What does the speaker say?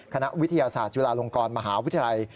คณะวิทยาศาสตร์จุฬาลงกรมหาวิทยาลัย